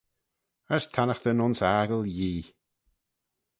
As tannaghtyn ayns aggle Yee.